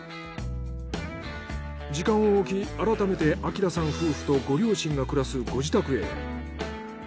時間をおき改めて晃さん夫婦とご両親が暮らすご自宅へ。